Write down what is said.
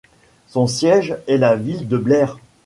Son siège est la ville de Blair.